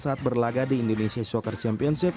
saat berlaga di indonesia soccer championship